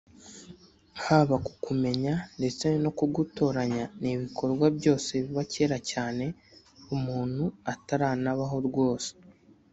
haba kukumenya ndetse no kugutoranya ni ibikorwa byose biba kera cyane umuntu ataranabaho rwose